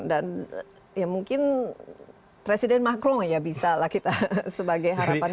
dan ya mungkin presiden macron ya bisa lah kita sebagai harapan